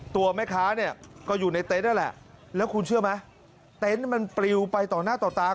ตัวแม่ค้าเนี่ยก็อยู่ในเต็นต์นั่นแหละแล้วคุณเชื่อไหมเต็นต์มันปลิวไปต่อหน้าต่อตา